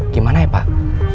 gimana ya pak